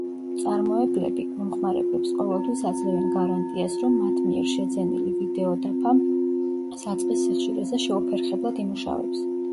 მწარმოებლები, მომხმარებლებს ყოველთვის აძლევენ გარანტიას, რომ მათ მიერ შეძენილი ვიდეოდაფა საწყის სიხშირეზე შეუფერხებლად იმუშავებს.